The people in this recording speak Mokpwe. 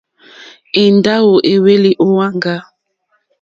Èndáwò èhwélì ó wàŋgá.